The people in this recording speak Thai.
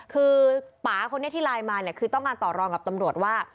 คือป่าคนนี้ที่ไลน์มาเนี่ยคือต้องการต่อรองกับตำรวจว่า